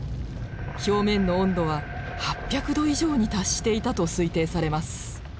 表面の温度は８００度以上に達していたと推定されます。